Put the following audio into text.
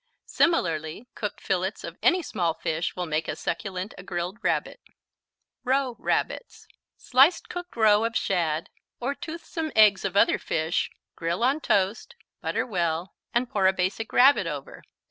Similarly cooked fillets of any small fish will make as succulent a grilled Rabbit. Roe Rabbits Slice cooked roe of shad or toothsome eggs of other fish, grill on toast, butter well and pour a Basic Rabbit over.